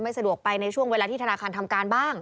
สะดวกไปในช่วงเวลาที่ธนาคารทำการบ้าง